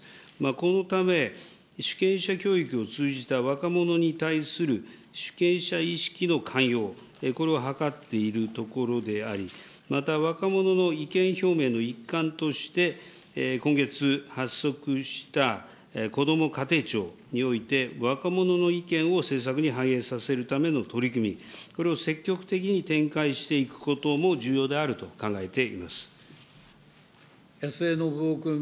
このため、主権者教育を通じた若者に対する主権者意識のかんよう、これを図っていくところであり、また若者の意見表明の一環として、今月発足したこども家庭庁において、若者の意見を政策に反映させるための取り組み、これを積極的に展開していくことも重要である安江伸夫君。